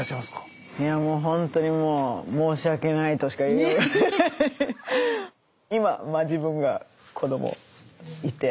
いやもうほんとにもう申し訳ないとしか言いようがない。